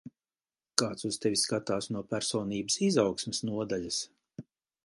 Kāds uz tevi skatās no personības izaugsmes nodaļas.